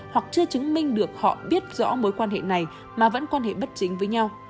hoặc chưa chứng minh được họ biết rõ mối quan hệ này mà vẫn quan hệ bất chính với nhau